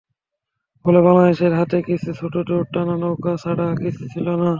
ফলে বাংলাদেশিদের হাতে কিছু ছোট দাঁড় টানা নৌকা ছাড়া কিছু ছিল না।